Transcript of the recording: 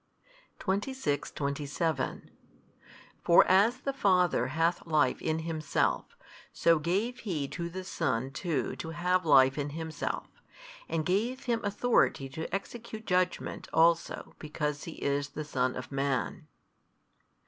26, 27 For as the Father hath life in Himself, so gave He to the Son too to have life in Himself, and gave Him authority to execute judgment also because He is the Son of Man.